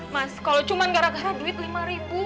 mas kalau cuma gara gara duit lima ribu